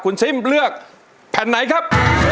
คุณชิมเลือกแผ่นไหนครับ